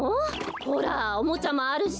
ほらおもちゃもあるし。